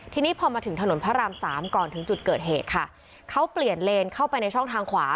ทีนี้พอมาถึงถนนพระรามสามก่อนถึงจุดเกิดเหตุค่ะเขาเปลี่ยนเลนเข้าไปในช่องทางขวา